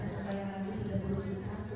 kita kembali lagi tiga puluh juta